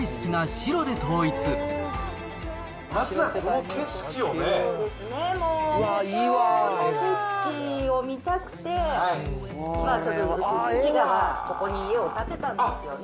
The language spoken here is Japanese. そうですね、ここの景色を見たくて、ちょっと、父がここに家を建てたんですよね。